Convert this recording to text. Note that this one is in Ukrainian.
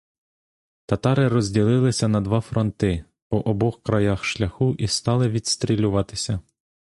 Татари розділилися на два фронти по обох краях шляху і стали відстрілюватися.